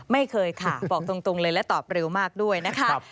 ไม่เคยค่ะบอกตรงเลยและตอบเร็วมากด้วยนะคะ